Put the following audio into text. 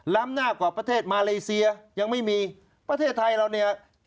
หน้ากว่าประเทศมาเลเซียยังไม่มีประเทศไทยเราเนี่ย